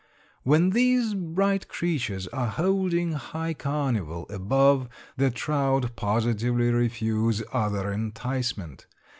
When these bright creatures are holding high carnival above, the trout positively refuse other enticement.